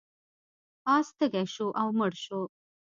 اس تږی شو او مړ شو.